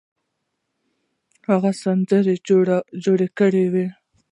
هغه سندره جوړه کړې وه.